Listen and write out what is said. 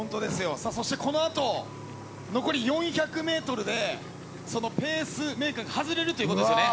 そしてこのあと残り４００ｍでペースメーカーが外れるってことですよね。